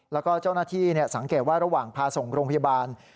แล้วก็เจ้าหน้าที่สังเกตว่าระหว่างพาส่งโรงพยาบาล